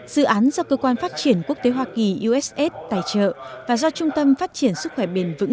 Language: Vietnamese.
dự án do cơ quan phát triển quốc tế hoa kỳ uss tài trợ và do trung tâm phát triển sức khỏe bền vững